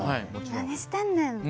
何してんねんって。